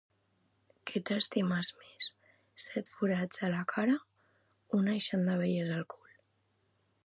Què t'estimes més: set forats a la cara o un eixam d'abelles al cul?